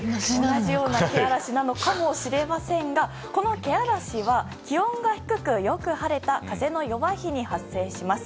同じような気嵐なのかもしれませんがこの気嵐は気温が低く、よく晴れた風の弱い日に発生します。